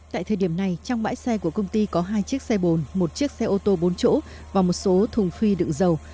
tại thời điểm này trong bãi xe của công ty có hai chiếc xe bồn một chiếc xe ô tô bốn chỗ và một số thùng phi đựng dầu